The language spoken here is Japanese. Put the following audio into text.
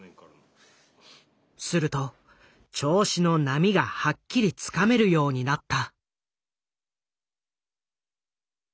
すると調子の波がはっきりつかめるようになった。